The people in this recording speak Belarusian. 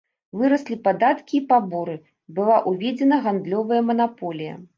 Выраслі падаткі і паборы, была ўведзена гандлёвая манаполія.